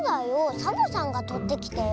サボさんがとってきてよ。